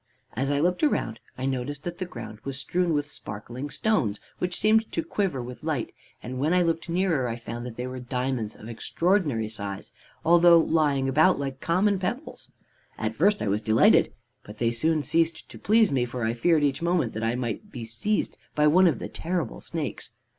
"As I looked around, I noticed that the ground was strewn with sparkling stones, which seemed to quiver with light, and when I looked nearer, I found they were diamonds of extraordinary size, although lying about like common pebbles. At first I was delighted, but they soon ceased to please me, for I feared each moment I might be seized by one of the terrible snakes.